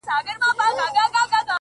زه مي د ژوند كـتـاب تــه اور اچــــــوم؛